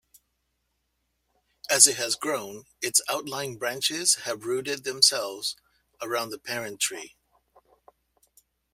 As it has grown, its outlying branches have rooted themselves around the parent tree.